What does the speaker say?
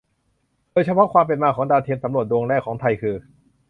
โดยเฉพาะความเป็นมาของดาวเทียมสำรวจดวงแรกของไทยคือ